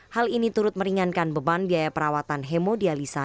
hal ini turut meringankan beban biaya perawatan hemodialisa